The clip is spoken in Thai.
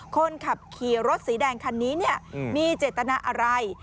คนขับขี่รถสีแดงคันนี้มีเจตนาอะไร